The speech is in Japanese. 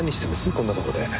こんなとこで。